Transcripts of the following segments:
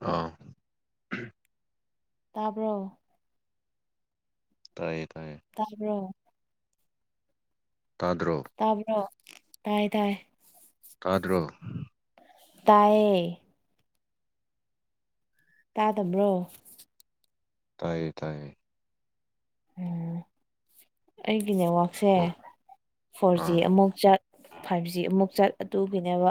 ꯑ ꯇꯥꯕ꯭ꯔꯣ ꯇꯥꯏꯌꯦ ꯇꯥꯏꯌꯦ ꯇꯥꯕ꯭ꯔꯣ ꯊꯥꯗ꯭ꯔꯣ ꯇꯥꯕ꯭ꯔꯣ ꯇꯥꯏꯌꯦ ꯇꯥꯏꯌꯦ ꯇꯥꯗ꯭ꯔꯣ ꯇꯥꯌꯦ ꯇꯥꯗꯕ꯭ꯔꯣ ꯇꯥꯏꯌꯦ ꯇꯥꯏꯌꯦ ꯎꯝ ꯑꯩꯒꯤ ꯅꯦꯠꯋꯥꯛꯁꯦ ꯑꯣ ꯐꯣꯔ ꯖꯤ ꯑꯥ ꯑꯃꯨꯛ ꯆꯠ ꯐꯥꯏꯚ ꯖꯤ ꯑꯃꯨꯛ ꯆꯠ ꯑꯗꯨꯒꯤꯅꯦꯕ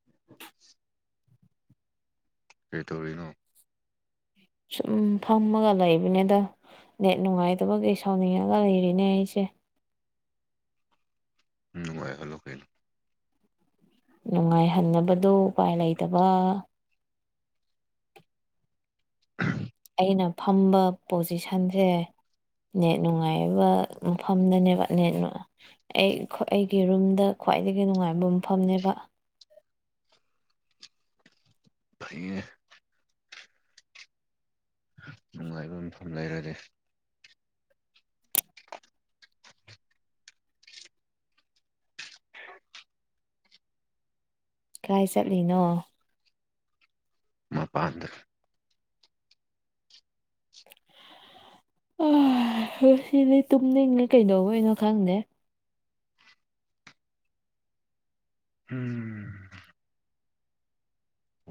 [inaudible] ꯀꯩ ꯇꯧꯔꯤꯅꯣ ꯁꯨꯝ ꯐꯝꯃꯒ ꯂꯩꯕꯅꯤꯗ ꯅꯦꯠ ꯅꯨꯡꯉꯥꯏꯇꯕꯒꯤ ꯁꯥꯎꯅꯤꯡꯉꯒ ꯂꯩꯔꯤꯅꯦ ꯑꯩꯁꯦ ꯎꯝ ꯅꯨꯡꯉꯥꯏ ꯂꯣ ꯀꯩꯅꯣ ꯅꯨꯡꯉꯥꯏꯍꯟꯅꯕꯗꯨ ꯎꯄꯥꯏ ꯂꯩꯇꯕ [unintelligible] ꯑꯩꯅ ꯐꯝꯕ ꯄꯣꯖꯤꯁꯟꯁꯦ ꯅꯦꯠ ꯅꯨꯡꯉꯥꯏꯕ ꯃꯐꯝꯗꯅꯦꯕ ꯅꯦꯠ ꯑꯩ ꯑꯩꯒꯤ ꯔꯨꯝꯗ ꯈ꯭ꯋꯥꯏꯗꯒꯤ ꯅꯨꯡꯉꯥꯏꯕ ꯃꯐꯝꯅꯦꯕ ꯐꯩꯌꯦ ꯅꯨꯡꯉꯥꯏꯕ ꯃꯐꯝ ꯂꯩꯔꯗꯤ [inaudible] ꯀꯥꯏ ꯆꯠꯂꯤꯅꯣ ꯃꯥꯄꯥꯟꯗ ꯉꯁꯤꯗꯤ ꯇꯨꯝꯅꯤꯡꯉꯦ ꯀꯩꯗꯧꯕꯩꯅꯣ ꯈꯪꯗꯦ ꯎꯝ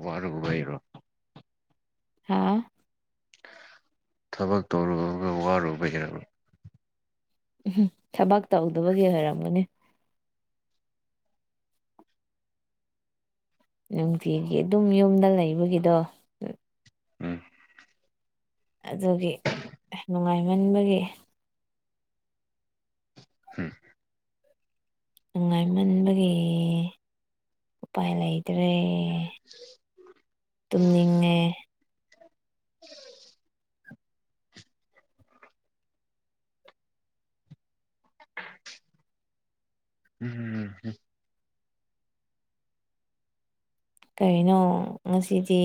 ꯋꯥꯔꯨꯕ ꯒꯩꯔꯣ ꯍꯥꯥ ꯊꯕꯛ ꯇꯧꯔꯨꯒ ꯋꯥꯔꯨꯕ ꯒꯤꯔꯕ ꯎꯝ ꯊꯕꯛ ꯇꯧꯗꯕꯒꯤ ꯑꯣꯏꯔꯝꯒꯅꯤ ꯅꯨꯡꯇꯤꯒꯤ ꯑꯗꯨꯝ ꯌꯨꯝꯗ ꯂꯩꯕꯒꯤꯗꯣ ꯎꯝ ꯑꯗꯨꯒꯤ ꯅꯨꯡꯉꯥꯏꯃꯟꯕꯒꯤ ꯍꯝ ꯅꯨꯡꯉꯥꯏꯃꯟꯕꯒꯤ ꯎꯄꯥꯏ ꯂꯩ ꯇ꯭ꯔꯦ ꯇꯨꯝꯅꯤꯡꯉꯦ [unintelligible] [unintelligible] ꯎꯝ ꯀꯔꯤꯅꯣ ꯉꯁꯤꯗꯤ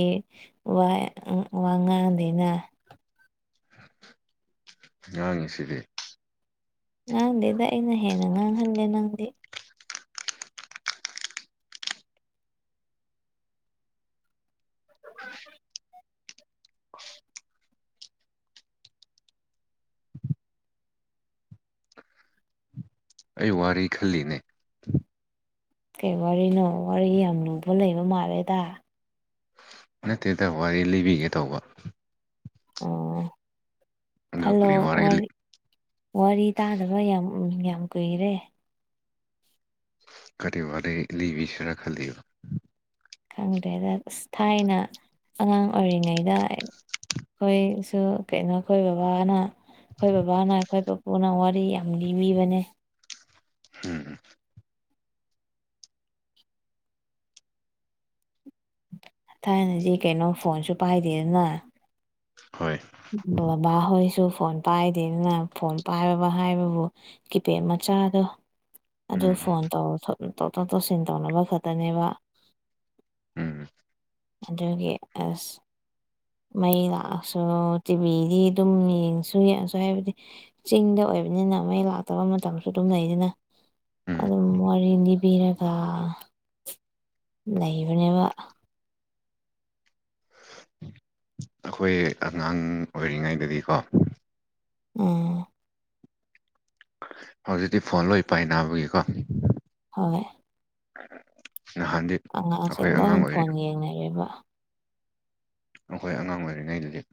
ꯋꯥ ꯉꯥꯡꯗꯦꯅ ꯉꯥꯡꯉꯤꯁꯤꯗꯤ ꯉꯥꯡꯗꯦꯗ ꯑꯩꯅ ꯍꯦꯟꯅ ꯉꯥꯡꯍꯜꯂꯦ ꯅꯪꯗꯤ [unintelligible] [unintelligible] ꯑꯩ ꯋꯥꯔꯤ ꯈꯜꯂꯤꯅꯦ ꯀꯩ ꯋꯥꯔꯤꯅꯣ ꯋꯥꯔꯤ ꯌꯥꯝ ꯂꯨꯕ ꯂꯩꯕ ꯃꯥꯜꯂꯦꯗ ꯅꯠꯇꯦꯗ ꯋꯥꯔꯤ ꯂꯤꯕꯤꯒꯦ ꯇꯧꯕ ꯑꯣ ꯑꯗꯨ ꯈꯜꯂꯣ ꯀꯔꯤ ꯋꯥꯔꯤ ꯋꯥꯔꯤ ꯇꯥꯗꯕ ꯌꯥꯝ ꯌꯥꯝ ꯀꯨꯏꯔꯦ ꯀꯔꯤ ꯋꯥꯅꯤ ꯂꯤꯕꯤꯁꯤꯔ ꯈꯜꯂꯤꯕ ꯈꯪꯗ꯭ꯔꯦꯗ ꯑ ꯊꯥꯏꯅ ꯑꯉꯥꯡ ꯑꯣꯏꯔꯤꯉꯩꯗ ꯑꯩꯈꯣꯏꯁꯨ ꯀꯩꯅꯣ ꯑꯩꯈꯣꯏ ꯕꯕꯥꯅ ꯑꯩꯈꯣꯏ ꯕꯕꯥꯅ ꯑꯩꯈꯣꯏ ꯄꯨꯄꯨꯅ ꯋꯥꯔꯤ ꯌꯥꯝ ꯂꯤꯕꯤꯕꯅꯦ ꯎꯝ ꯊꯥꯏꯅꯗꯤ ꯀꯩꯅꯣ ꯐꯣꯟꯁꯨ ꯄꯥꯏꯗꯦꯗꯅ ꯍꯣꯏ ꯕꯕꯥꯍꯣꯏꯁꯨ ꯐꯣꯟ ꯄꯥꯏꯗꯦꯅꯤꯅ ꯐꯣꯟ ꯄꯥꯏꯔꯕ ꯍꯥꯏꯕꯕꯨ ꯀꯤꯄꯦ ꯃꯆꯥꯗꯣ ꯑꯗꯨ ꯎꯝ ꯐꯣꯟꯧ ꯇꯣꯊꯣꯛ ꯇꯧꯁꯤꯟ ꯇꯧꯅꯕ ꯈꯛꯇꯅꯦꯕ ꯎꯝ ꯑꯗꯨꯒꯤ ꯑꯁ ꯃꯩ ꯂꯥꯛꯑꯁꯨ ꯇꯤꯚꯤꯗꯤ ꯑꯗꯨꯝ ꯌꯦꯡꯁꯨ ꯌꯦꯡꯉꯁꯨ ꯍꯥꯏꯕꯗꯤ ꯆꯤꯡꯗ ꯑꯣꯏꯕꯅꯤꯅ ꯃꯩ ꯂꯥꯛꯇꯕ ꯃꯇꯝꯁꯨ ꯑꯗꯨꯝ ꯂꯩꯗꯅ ꯎꯝ ꯑꯗꯨꯝ ꯋꯥꯔꯤ ꯂꯤꯅꯤꯕꯤꯔꯒ ꯂꯩꯕꯅꯦꯕ ꯑꯩꯈꯣꯏ ꯑꯉꯥꯡ ꯑꯣꯏꯔꯤꯉꯩꯗꯗꯤꯀꯣ ꯎꯝ ꯍꯧꯖꯤꯛꯇꯤ ꯐꯣꯟ ꯂꯣꯏ ꯄꯥꯏꯅꯕꯒꯤꯀꯣ ꯍꯣꯏ ꯍꯥꯟꯗꯤ ꯑꯉꯥꯡꯁꯦ ꯂꯣꯏ ꯐꯣꯟ ꯌꯦꯡꯅꯔꯦꯕ ꯑꯩꯈꯣꯏ ꯑꯉꯥꯡ ꯑꯣꯏꯔꯤꯉꯩꯗꯞ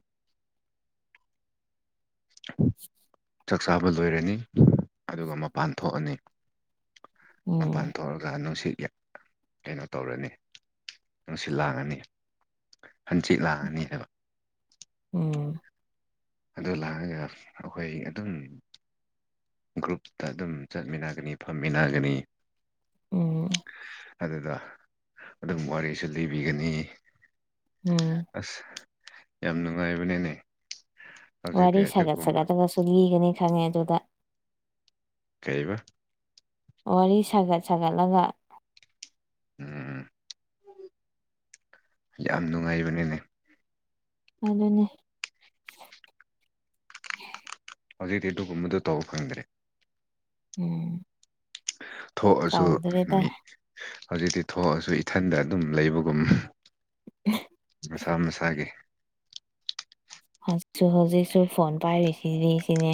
ꯆꯥꯛ ꯆꯥꯕ ꯂꯣꯏꯔꯅꯤ ꯑꯗꯨꯒ ꯃꯄꯥꯟ ꯊꯣꯛꯑꯅꯤ ꯃꯄꯥꯟ ꯎꯝ ꯊꯣꯛꯧꯔꯒ ꯅꯨꯡꯁꯤꯠ ꯌꯥ ꯀꯩꯅꯣ ꯇꯧꯔꯅꯤ ꯅꯨꯡꯁꯤꯠ ꯂꯥꯡꯉꯅꯤ ꯍꯟꯆꯤꯠ ꯂꯥꯡꯉꯅꯤ ꯍꯥꯏꯕ ꯎꯝ ꯑꯗꯨ ꯂꯥꯛꯑꯒ ꯑꯩꯈꯣꯏ ꯑꯗꯨꯝ ꯒ꯭ꯔꯨꯞꯇ ꯑꯗꯨꯝ ꯆꯠꯃꯤꯟꯅꯒꯅꯤ ꯐꯝꯃꯤꯟꯅꯒꯅꯤ ꯎꯝ ꯑꯗꯨꯗ ꯑꯗꯨꯝ ꯋꯥꯔꯤꯁꯨ ꯂꯤꯕꯤꯒꯅꯤ ꯎꯝ ꯑꯁ ꯌꯥꯝ ꯅꯨꯡꯉꯥꯏꯕꯅꯦꯅꯦ [unintelligible] ꯋꯥꯔꯤ ꯁꯥꯒꯠ ꯁꯥꯒꯠꯇꯅꯁꯨ ꯂꯤꯒꯅꯤ ꯈꯪꯉꯦ ꯑꯗꯨꯗ ꯀꯩꯕ ꯋꯥꯔꯤ ꯁꯥꯒꯠ ꯁꯥꯒꯠꯂꯒ ꯎꯝ ꯌꯥꯝ ꯅꯨꯡꯉꯥꯏꯕꯅꯤꯅꯦ ꯑꯗꯨꯅꯦ ꯍꯧꯖꯤꯛꯇꯤ ꯑꯗꯨꯒꯨꯝꯕꯗꯨ ꯇꯧ ꯐꯪꯗ꯭ꯔꯦ ꯎꯝ ꯊꯣꯛꯑꯁꯨ ꯇꯧꯗ꯭ꯔꯦꯗ ꯃꯤ ꯍꯧꯖꯤꯛꯇꯤ ꯊꯣꯛꯑꯁꯨ ꯏꯊꯟꯗ ꯑꯗꯨꯝ ꯂꯩꯕꯒꯨꯝ ꯃꯁꯥ ꯃꯁꯥꯒꯤ ꯍꯧꯖꯤꯛꯁꯨ ꯍꯧꯖꯤꯛꯁꯨ ꯐꯣꯟ ꯄꯥꯏꯔꯤꯁꯤꯗꯤ ꯁꯤꯅꯦ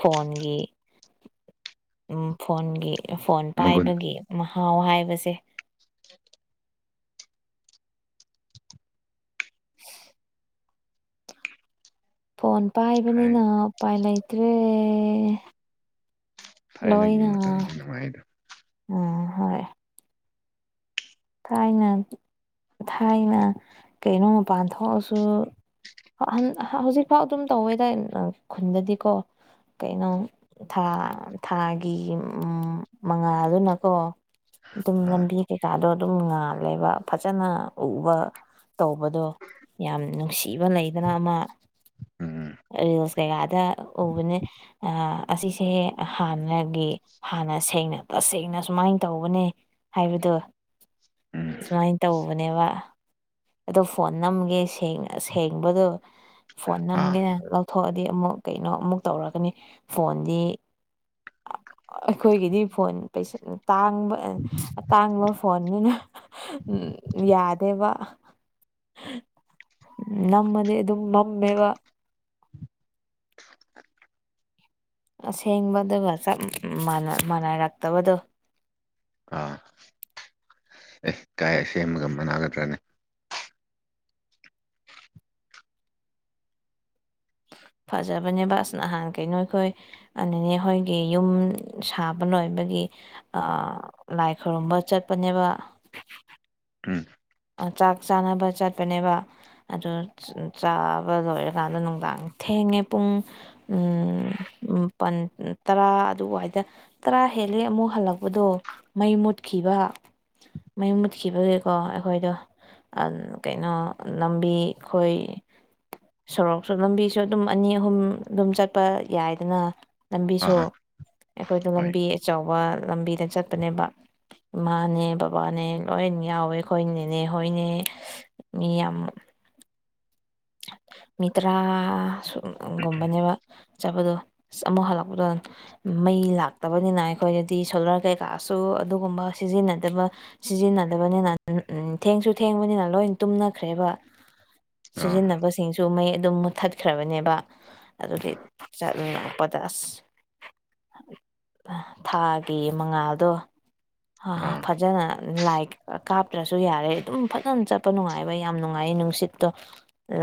ꯐꯣꯟꯒꯤ ꯎꯝ ꯐꯣꯟꯒꯤ ꯐꯣꯟ ꯃꯒꯨꯟ ꯄꯥꯏꯕꯒꯤ ꯃꯍꯥꯎ ꯍꯥꯏꯕꯁꯦ [inaudible] ꯐꯣꯟ ꯍꯥꯏ ꯄꯥꯏꯕꯅꯤꯅ ꯎꯄꯥꯏ ꯂꯩꯇ꯭ꯔꯦ ꯊꯥꯏꯅꯒꯤ ꯂꯣꯏꯅ ꯃꯇꯝꯗꯤ ꯅꯨꯡꯉꯥꯏꯗꯣ ꯑ ꯍꯣꯏ ꯊꯥꯏꯅ ꯊꯥꯏꯅ ꯀꯩꯅꯣ ꯃꯄꯥꯟ ꯊꯣꯛꯑꯁꯨ ꯍꯟ ꯍꯧꯖꯤꯛꯐꯥꯎ ꯑꯗꯨꯝ ꯇꯧꯋꯦ ꯇꯥꯏ ꯈꯨꯟꯗꯗꯤꯀꯣ ꯀꯩꯅꯣ ꯊꯥ ꯊꯥꯒꯤ ꯃꯉꯥꯜꯗꯨꯅꯀꯣ ꯑꯗꯨꯝ ꯑꯥ ꯂꯝꯕꯤ ꯀꯩꯀꯥꯗꯣ ꯑꯗꯨꯝ ꯉꯥꯜꯂꯦꯕ ꯐꯖꯅ ꯎꯕ ꯇꯧꯕꯗꯣ ꯌꯥꯝ ꯅꯨꯡꯁꯤꯕ ꯂꯩꯗꯅ ꯑꯃ ꯎꯝ ꯔꯤꯜꯁ ꯀꯌꯥꯗ ꯎꯕꯅꯦ ꯑ ꯑꯁꯤꯁꯦ ꯍꯥꯟꯅꯒꯤ ꯍꯥꯟꯅ ꯁꯦꯡꯅ ꯇꯁꯦꯡꯅ ꯁꯨꯃꯥꯏ ꯇꯧꯕꯅꯦ ꯍꯥꯏꯕꯗꯨ ꯎꯝ ꯁꯨꯃꯥꯏꯟ ꯇꯧꯕꯅꯦꯕ ꯑꯗꯣ ꯐꯣꯟ ꯅꯝꯒꯦ ꯁꯦꯡ ꯁꯦꯡꯕꯗꯨ ꯐꯣꯟ ꯑꯥ ꯅꯝꯒꯦ ꯂꯧꯊꯣꯛꯑꯗꯤ ꯑꯃꯨꯛ ꯀꯩꯅꯣ ꯑꯃꯨꯛ ꯇꯧꯔꯒꯅꯤ ꯐꯣꯟꯗꯤ ꯑꯩꯈꯣꯏꯒꯤꯗꯤ ꯐꯣꯟ ꯇꯥꯡꯕ ꯑꯇꯥꯡꯕ ꯐꯣꯟꯅꯤꯅ ꯌꯥꯗꯦꯕ ꯃꯝꯕꯗꯤ ꯑꯗꯨꯝ ꯃꯝꯃꯦꯕ [unintelligible] ꯑꯁꯦꯡꯕꯗꯨꯒ ꯆꯞ ꯃꯥꯟꯅ ꯃꯥꯥꯟꯅꯔꯛꯇꯕꯗꯨ ꯑꯥ ꯑꯦ ꯀꯥꯏ ꯁꯦꯝꯃꯒ ꯃꯅꯥꯒꯗ꯭ꯔꯅꯤ ꯐꯖꯕꯅꯦꯕ ꯑꯁ ꯅꯍꯥꯟ ꯀꯩꯅꯣ ꯑꯩꯈꯣꯏ ꯑ ꯅꯤꯅꯦ ꯍꯣꯏꯒꯤ ꯌꯨꯝ ꯁꯥꯕ ꯂꯣꯏꯕꯒꯤ ꯑ ꯂꯥꯏ ꯈꯨꯔꯨꯝꯕ ꯆꯠꯄꯅꯦꯕ ꯎꯝ ꯑ ꯆꯥꯛ ꯆꯥꯟꯅꯕ ꯆꯠꯄꯅꯦꯕ ꯑꯗꯣ ꯆꯥꯕ ꯂꯣꯏꯔꯀꯥꯟꯗ ꯅꯨꯡꯗꯥꯡ ꯊꯦꯡꯉꯦ ꯄꯨꯡ ꯎꯝ ꯃꯥꯄꯟ ꯇꯔꯥ ꯑꯗꯨꯋꯥꯏꯗ ꯇꯔꯥ ꯍꯦꯜꯂꯦ ꯑꯃꯨꯛ ꯍꯜꯂꯛꯄꯗꯣ ꯃꯩ ꯃꯨꯠꯈꯤꯕ ꯃꯩ ꯃꯨꯠꯈꯤꯕꯒꯤꯀꯣ ꯈꯣꯏꯗꯣ ꯑ ꯀꯩꯅꯣ ꯂꯝꯕꯤ ꯈꯣꯏ ꯁꯣꯔꯣꯛꯁꯨ ꯂꯝꯕꯤꯁꯨ ꯑꯗꯨꯝ ꯑꯅꯤ ꯑꯍꯨꯝ ꯑꯗꯨꯝ ꯆꯠꯄ ꯌꯥꯏꯗꯅ ꯂꯝꯕꯤꯁꯨ ꯑꯥ ꯑꯩꯈꯣꯏꯗꯣ ꯍꯣꯏ ꯂꯝꯕꯤ ꯑꯆꯧꯕ ꯂꯝꯕꯤꯗ ꯆꯠꯄꯅꯦꯕ ꯏꯃꯥꯅꯦ ꯕꯕꯥꯅꯦ ꯂꯣꯏꯟ ꯌꯥꯎꯋꯦ ꯈꯣꯏ ꯅꯦꯅꯦ ꯍꯣꯏꯅꯦ ꯃꯤ ꯌꯥꯝ ꯃꯤ ꯇ꯭ꯔꯥ ꯁꯨꯝ ꯒꯨꯝꯕꯅꯦꯕ ꯆꯠꯄꯗꯨ ꯑꯁ ꯑꯃꯨꯛ ꯍꯜꯂꯛꯄꯗꯨꯟ ꯃꯩ ꯂꯥꯛꯇꯕꯅꯤꯅ ꯑꯩꯈꯣꯏꯗꯗꯤ ꯁꯣꯂꯔ ꯀꯩꯀꯥꯁꯨ ꯑꯗꯨꯒꯨꯝꯕ ꯁꯤꯖꯤꯟꯅꯗꯕ ꯁꯤꯖꯤꯟꯅꯗꯕꯅꯤꯅ ꯎꯝ ꯊꯦꯡꯁꯨ ꯊꯦꯡꯕꯅꯤꯅ ꯂꯣꯏꯟ ꯇꯨꯝꯅꯈ꯭ꯔꯦꯕ ꯑꯥ ꯁꯤꯖꯤꯟꯅꯕ ꯁꯤꯡꯁꯨ ꯃꯩ ꯑꯗꯨꯝ ꯃꯨꯊꯠꯈ꯭ꯔꯕꯅꯦꯕ ꯑꯗꯨꯒꯤ ꯆꯠ ꯄꯥꯗꯁ ꯊꯥꯒꯤ ꯃꯉꯥꯗꯣ ꯍꯥ ꯑꯥ ꯐꯖꯅ ꯂꯥꯏ ꯀꯥꯞꯇ꯭ꯔꯁꯨ ꯌꯥꯔꯦ ꯑꯗꯨꯝ ꯐꯖꯅ ꯆꯠꯄ ꯅꯨꯡꯉꯥꯏꯕ ꯌꯥꯝ ꯅꯨꯡꯉꯥꯏꯌꯦ ꯅꯨꯡꯁꯤꯠꯇꯣ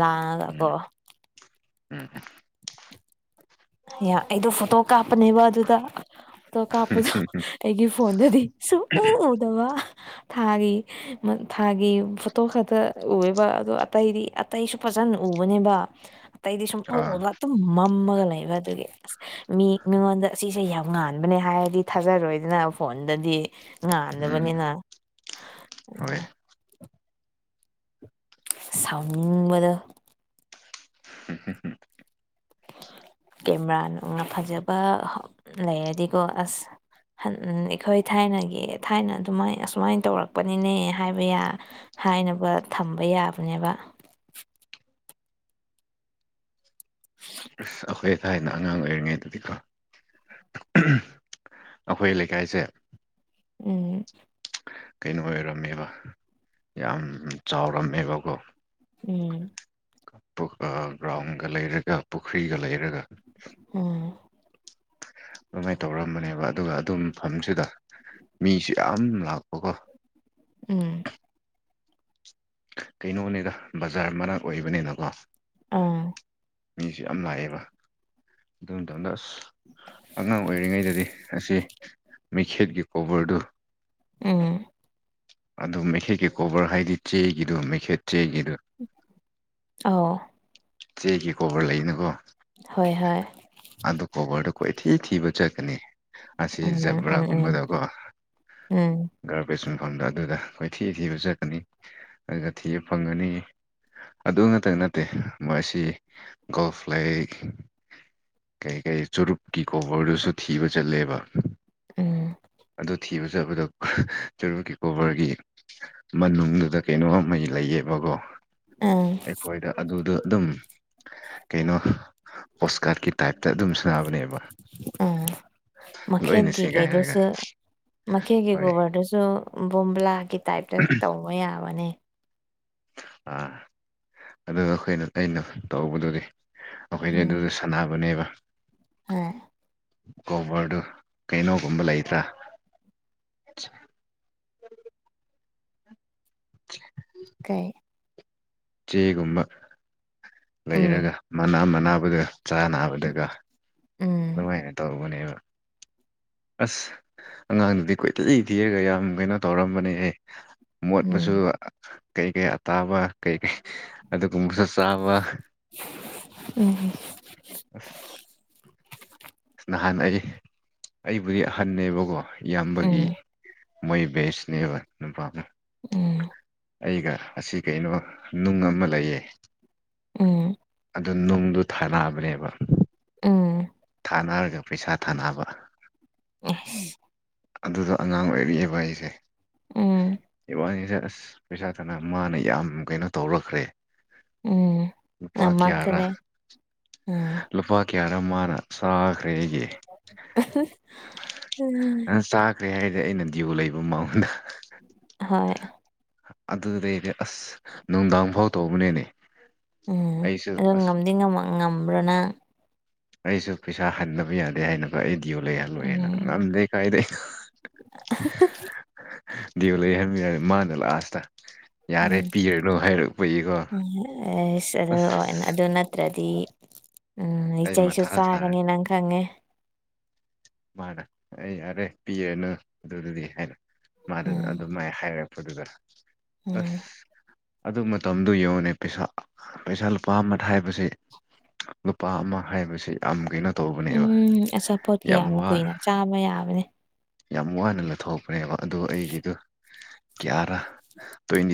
ꯂꯥꯡꯉꯒꯀꯣ ꯎꯝ ꯎꯝ ꯌꯥ ꯑꯩꯗꯣ ꯐꯣꯇꯣ ꯀꯥꯞꯄꯅꯦꯕ ꯑꯗꯨꯗ ꯐꯣꯇꯣ ꯀꯥꯞꯄꯗꯣ ꯑꯩꯒꯤ ꯐꯣꯟꯗꯗꯤ ꯁꯨꯛꯎ ꯎꯗꯕ ꯊꯥꯒꯤ ꯊꯥꯒꯤ ꯐꯣꯇꯣ ꯈꯛꯇ ꯎꯑꯦꯕ ꯑꯗꯣ ꯑꯇꯩꯗꯤ ꯑꯇꯩꯁꯨ ꯐꯖꯅ ꯎꯕꯅꯦꯕ [unintelligible] [inaudible] ꯑꯇꯩꯗꯤ ꯁꯨꯝ ꯑꯥ ꯎꯕ ꯑꯗꯨꯝ ꯃꯝꯃꯒ ꯂꯩꯕ ꯑꯗꯨꯒꯤ ꯑꯁ ꯃꯤ ꯃꯤꯉꯣꯟꯗ ꯁꯤꯁꯦ ꯌꯥꯝ ꯉꯥꯟꯕꯅꯦ ꯍꯥꯏꯔꯗꯤ ꯊꯥꯖꯔꯣꯏꯗꯅ ꯐꯣꯟꯗꯗꯤ ꯎꯝ ꯉꯥꯟꯗꯕꯅꯤꯅ ꯍꯣꯏ ꯁꯥꯎꯅꯤꯡꯕꯗꯣ [unintelligible] ꯀꯦꯃꯦꯔꯥ ꯅꯨꯡꯅ ꯐꯖꯕ ꯂꯩꯔꯗꯤꯀꯣ ꯑꯁ ꯑꯩꯈꯣꯏ ꯊꯥꯏꯅꯒꯤ ꯊꯥꯏꯅ ꯑꯗꯨꯃꯥꯏ ꯑꯁꯨꯃꯥꯏꯅ ꯇꯧꯔꯛꯄꯅꯤꯅꯦ ꯍꯥꯏꯕ ꯌꯥ ꯍꯥꯏꯅꯕ ꯊꯝꯕ ꯌꯥꯕꯅꯦꯕ ꯑꯁ ꯑꯩꯈꯣꯏ ꯊꯥꯏꯅ ꯑꯉꯥꯡ ꯑꯣꯏꯔꯤꯉꯩ ꯗꯗꯤꯀꯣ ꯑꯩꯈꯣꯏ ꯂꯩꯀꯥꯏꯁꯦ ꯎꯝ ꯀꯩꯅꯣ ꯑꯣꯏꯔꯝꯃꯦꯕ ꯌꯥꯝ ꯆꯥꯎꯔꯝꯃꯦꯕꯀꯣ ꯎꯝ ꯒ꯭ꯔꯥꯎꯟꯒ ꯂꯩꯔꯒ ꯄꯨꯈ꯭ꯔꯤꯒ ꯂꯩꯔꯒ ꯑꫭ ꯑꯗꯨꯃꯥꯏꯅ ꯇꯧꯔꯝꯕꯅꯦꯕ ꯑꯗꯨꯒ ꯑꯗꯨꯝ ꯃꯐꯝꯁꯤꯗ ꯃꯤꯁꯨ ꯌꯥꯝ ꯂꯥꯛꯄꯀꯣ ꯎꯝ ꯀꯩꯅꯣꯅꯤꯗ ꯕꯖꯥꯔ ꯃꯅꯥꯛ ꯑꯣꯏꯕꯅꯤꯅꯀꯣ ꯑꯥ ꯃꯤꯁꯨ ꯌꯥꯝ ꯂꯥꯛꯑꯦꯕ ꯑꯗꯨ ꯃꯇꯝꯗ ꯑ ꯑꯉꯥꯡ ꯑꯣꯏꯔꯤꯉꯩꯗꯗꯤ ꯑꯁꯤ ꯃꯩꯈꯦꯠꯀꯤ ꯀꯣꯕꯔꯗꯨ ꯎꯪ ꯑꯗꯨ ꯃꯩꯈꯦꯠꯀꯤ ꯀꯣꯕꯔ ꯍꯥꯏꯗꯤ ꯆꯦꯒꯤꯗꯨ ꯃꯩꯈꯦꯠ ꯆꯦꯒꯤꯗꯨ ꯑꯧ ꯆꯦꯛꯒꯤ ꯀꯣꯕꯔ ꯂꯩꯅꯨꯀꯣ ꯍꯣꯏ ꯍꯣꯏ ꯑꯗꯨ ꯀꯣꯕꯔꯗꯣ ꯈ꯭ꯋꯥꯏꯊꯤ ꯊꯤꯕ ꯆꯠꯀꯅꯤ ꯑꯁꯤ ꯎꯝ ꯎꯝ ꯎꯝ ꯖꯕ꯭ꯔꯥꯒꯨꯝꯕꯗꯀꯣ ꯎꯝ ꯒꯥꯔꯕꯦꯖ ꯁꯨꯝ ꯐꯪꯗ ꯑꯗꯨꯗ ꯑꯩꯈꯣꯏ ꯊꯤꯕ ꯊꯤꯕ ꯆꯠꯀꯅꯤ ꯑꯗꯨꯗ ꯊꯤꯕ ꯐꯪꯒꯅꯤ ꯑꯗꯨ ꯉꯛꯇ ꯅꯠꯇꯦ ꯃꯁꯤ ꯒꯣꯜꯐ ꯂꯛ ꯀꯩ ꯀꯩ ꯆꯨꯔꯨꯞꯀꯤ ꯀꯣꯕꯔꯗꯨꯁꯨ ꯊꯤꯕ ꯆꯠꯂꯦꯕ ꯎꯝ ꯑꯗꯨ ꯊꯤꯕ ꯆꯠꯕꯗ ꯆꯨꯔꯨꯀꯤꯀꯣꯕꯔꯒꯤ ꯃꯅꯨꯡꯗꯨꯗ ꯀꯩꯅꯣ ꯑꯃꯒꯤ ꯂꯩꯌꯦꯕꯀꯣ ꯑꫭ ꯑꯩꯈꯣꯏꯗ ꯑꯗꯨꯗ ꯑꯗꯨꯝ ꯀꯩꯅꯣ ꯑꯣꯁꯀꯥꯔꯠꯀꯤ ꯇꯥꯏꯞꯇ ꯑꯗꯨꯝ ꯁ ꯑꫭ ꯂꯣꯏꯅ ꯃꯈꯦꯛꯀꯤ ꯁꯦꯒꯥꯏꯔꯒ ꯀꯩꯗꯨꯁꯨ ꯃꯈꯦꯛꯀꯤ ꯍꯣꯏ ꯒꯣꯕꯔꯗꯨꯁꯨ ꯕꯣꯝꯂꯥꯒꯤ ꯇꯥꯏꯞꯇ ꯇꯧꯕ ꯌꯥꯕꯅꯦ ꯑꯥ ꯑꯗꯨꯒ ꯑꯩꯈꯣꯏꯅ ꯑꯩꯅ ꯇꯧꯕꯗꯨꯗꯤ ꯑꯩꯈꯣꯏꯗꯤ ꯑꯗꯨꯗ ꯁꯅꯥꯕꯅꯦꯕ ꯍꫭꯏ ꯒꯣꯕꯔꯗꯨ ꯀꯩꯅꯣꯒꯨꯝꯕ ꯂꯩꯇ꯭ꯔꯥ [inaudible] ꯀ ꯀꯩ ꯆꯦꯒꯨꯝꯕ ꯎꯝ ꯂꯩꯔꯒ ꯃꯅꯥ ꯃꯅꯥꯕꯒ ꯆꯥ ꯅꯥꯅꯕꯗꯒ ꯎꯝ ꯑꯗꯨꯃꯥꯏꯅ ꯇꯧꯕꯅꯦꯕ ꯑꯁ ꯑꯉꯥꯡꯗꯨꯗꯤ ꯀꯣꯏꯊꯂꯤ ꯊꯤꯔꯒ ꯌꯥꯝ ꯀꯩꯅꯣ ꯇꯧꯔꯝꯕꯅꯦ ꯑꯦ ꯎꯝ ꯃꯣꯠꯄꯁꯨ ꯀꯩꯀꯩ ꯑꯇꯥꯕ ꯀꯩꯀꯩ ꯑꯗꯨꯒꯨꯝꯕꯁꯨ ꯆꯥꯕ ꯎꯝ [inaudible] ꯑ ꯅꯍꯥꯟ ꯑꯩ ꯑꯩꯕꯨꯗꯤ ꯑꯍꯟꯅꯦꯕꯀꯣ ꯏꯌꯥꯝꯕꯒꯤ ꯎꯝ ꯃꯣꯏꯕꯦꯁꯅꯦꯕ ꯅꯕ꯭ꯔ ꯎꯝ ꯑꯩꯒ ꯑꯁꯤ ꯀꯩꯅꯣ ꯅꯨꯡ ꯑꯃ ꯂꯩꯌꯦ ꯎꯝ ꯑꯗꯨ ꯅꯨꯡꯗꯨ ꯊꯥꯅꯕꯅꯦꯕ ꯑ ꯀꯥꯟꯅꯔꯒ ꯄꯩꯁꯥ ꯊꯥꯅꯕ ꯏꯁꯁ ꯑꯗꯨꯗꯣ ꯑꯉꯥꯡ ꯑꯣꯏꯔꯛꯑꯦꯕ ꯑꯩꯁꯦ ꯎꯝ ꯏꯕꯥꯅꯤꯁꯦ ꯑꯁ ꯄꯩꯁꯥ ꯇꯅ ꯃꯥꯅ ꯌꯥꯝ ꯀꯩꯅꯣ ꯇꯧꯔꯛꯈ꯭ꯔꯦ ꯎꯝ ꯂꯨꯄꯥ ꯀꯔꯥ ꯉꯝꯃꯛꯈ꯭ꯔꯦ ꯎꯝ ꯂꯨꯄꯥ ꯀꯌꯥꯔ ꯃꯥꯅ ꯆꯥꯈ꯭ꯔꯦ ꯑꯩꯒꯤ ꯎꯝ ꯅꯪ ꯆꯥꯈ꯭ꯔꯦ ꯍꯥꯏꯔꯗꯤꯦ ꯑꯩꯅ ꯗꯤꯌꯨ ꯂꯩꯕ ꯃꯎꯟꯗ ꯍꯣꯏ ꯑꯗꯨꯗꯩꯅꯦ ꯑꯁ ꯅꯨꯡꯗꯥꯡ ꯐꯥꯎ ꯇꯧꯕꯅꯦꯅꯦ ꯎꯝ ꯑꯩꯁꯨ ꯑꯗꯣ ꯑꯁ ꯉꯝꯗꯤ ꯉꯝꯕ꯭ꯔꯅ ꯑꯩꯁꯨ ꯄꯩꯁꯥ ꯍꯟꯗꯕ ꯌꯥꯗꯦ ꯍꯥꯏꯅꯕ ꯑꯩ ꯗꯤꯌꯣ ꯂꯩꯍꯜꯂꯣꯏꯦꯅ ꯎꯝ ꯉꯝꯗꯦ ꯀꯥꯏꯗ ꯑꯩ [unintelligible] ꯗꯦꯕꯨ ꯂꯩꯍꯟꯃꯤꯔꯅꯤ ꯃꯥꯅꯦ ꯂꯥꯛ ꯑꯥꯁꯇ ꯌꯥꯔꯦ ꯎꯝ ꯄꯤꯔꯅꯣ ꯍꯥꯏꯔꯛꯄꯌꯦꯀꯣ ꯎꯝ ꯑꯦꯁ ꯑꯗꯨ ꯑꯁ ꯑꯣꯏꯅ ꯑꯗꯨ ꯅꯠꯇ꯭ꯔꯗꯤ ꯎꯝ ꯑꯩ ꯏꯆꯁꯨ ꯃꯊꯥ ꯁꯥꯔꯦ ꯆꯥꯒꯅꯤ ꯅꯪ ꯈꯪꯉꯦ ꯃꯥꯅ ꯑꯩ ꯌꯥꯔꯦ ꯄꯤꯔꯅꯨ ꯑꯗꯨꯗꯨꯗꯤ ꯍꯥꯏꯅ ꯃꯥꯗꯨꯅ ꯎꯝ ꯑꯗꯨꯝꯥꯏ ꯍꯥꯏꯔ ꯐꯗꯨꯗ ꯎꯝ ꯑꯁ ꯑꯗꯨ ꯃꯇꯝꯗꯨ ꯌꯦꯡꯉꯣꯅꯦ ꯄꯩꯁꯥ ꯄꯩꯁꯥ ꯂꯨꯄꯥ ꯑꯃ ꯍꯥꯏꯕꯁꯤ ꯂꯨꯄꯥ ꯑꯃ ꯍꯥꯏꯕꯁꯤ ꯌꯥꯝ ꯀꯩꯅꯣ ꯇꯧꯕꯅꯦꯕ ꯎꯝ ꯑꯆꯥꯄꯣꯠꯀꯤ ꯌꯥꯝ ꯀꯨꯏꯅ ꯆꯥꯕ ꯌꯥꯕꯅꯦ ꯌꯥꯝ ꯋꯥꯅ ꯂꯧꯊꯣꯛꯄꯅꯦꯕ ꯑꯗꯨ ꯑꯩꯒꯤꯗꯨ ꯀꯤꯌꯥꯔꯥ ꯇ꯭ꯋꯦꯟꯇꯤ